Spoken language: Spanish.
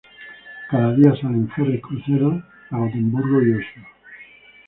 Cada día salen ferry-cruceros a Gotemburgo y Oslo.